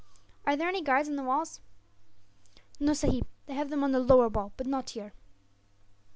"Are there any guards on the walls?" "No, sahib; they have them on the lower wall, but not here."